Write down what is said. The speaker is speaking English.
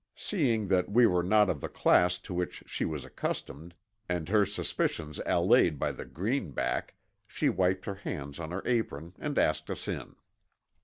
Seeing that we were not of the class to which she was accustomed, and her suspicions allayed by the greenback, she wiped her hands on her apron and asked us in.